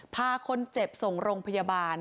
พาคนเจ็บส่งโรงพยาบาล